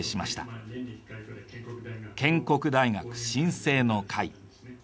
「建国大学新生の会」。